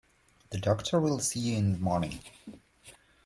The doctor will see you in the morning.